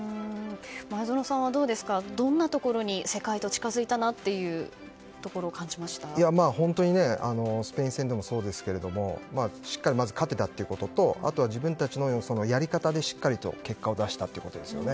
前園さんはどんなところに世界と近づいたなとスペイン戦でもそうですがしっかり勝てたということとあとは自分たちのやり方でしっかりと結果を出したということですよね。